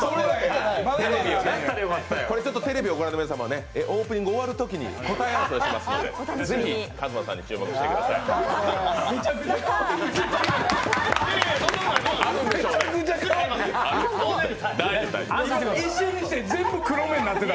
テレビをご覧の皆様、オープニング終わるときに答え合わせをしますのでぜひＫＡＺＭＡさんに注目してください一瞬にして全部黒目になってた？